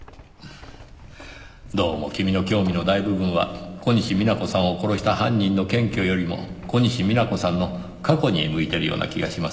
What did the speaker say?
どうも君の興味の大部分は小西皆子さんを殺した犯人の検挙よりも小西皆子さんの過去に向いてるような気がしますがねぇ。